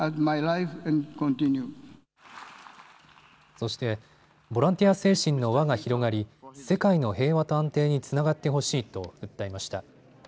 そしてボランティア精神の輪が広がり、世界の平和と安定につながってほしいと訴えました。